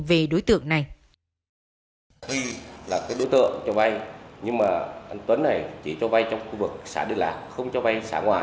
vì đối tượng này